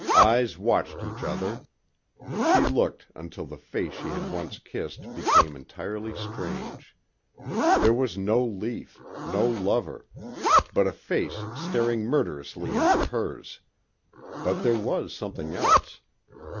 Eyes watched each other. She looked until the face she had once kissed became entirely strange. There was no Lief, no lover. But a face staring murderously into hers. But there was something else.